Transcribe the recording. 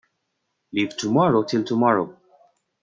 Leave tomorrow till tomorrow.